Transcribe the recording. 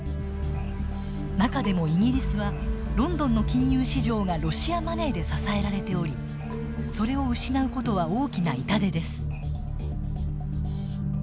中でもイギリスはロンドンの金融市場がロシアマネーで支えられておりそれを失う事は大きな痛手です。